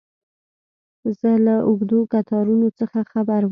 زه له اوږدو کتارونو څه خبر وم.